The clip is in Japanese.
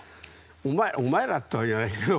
お前らとは言わないけど。